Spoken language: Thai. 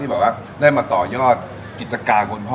ที่บอกว่านึกันต่อยอดกิจการกลพ่อ